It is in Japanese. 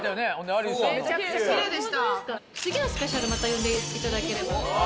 次のスペシャルまた呼んでいただければ。